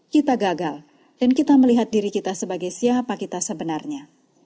kita gagal dan kita melihat diri kita sebagai siapa kita sebenarnya